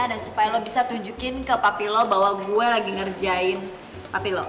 dan supaya lo bisa tunjukin ke papi lo bahwa gue lagi ngerjain papi lo